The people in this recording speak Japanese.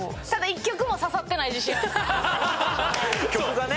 曲がね。